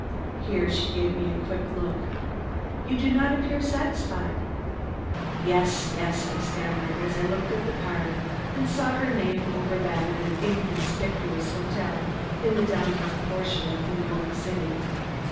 Here she gave me a quick look. "You do not appear satisfied." "Yes, yes," I stammered, as I looked at the card and saw her name over that of an inconspicuous hotel in the down town portion of New York City.